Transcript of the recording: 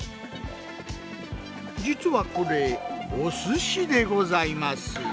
実はこれ「お寿司」でございます。